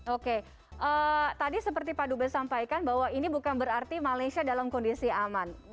oke tadi seperti pak dubes sampaikan bahwa ini bukan berarti malaysia dalam kondisi aman